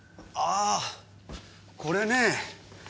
あぁこれね。